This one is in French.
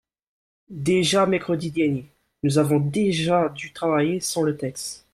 Déjà mercredi dernier, nous avons déjà dû travailler sans le texte.